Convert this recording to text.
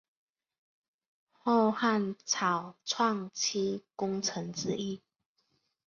后汉草创期功臣之一。